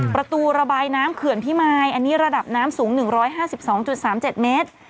ประตูระบายน้ำเขื่อนพิมายอันนี้ระดับน้ำสูง๑๕๒๓๗เมตร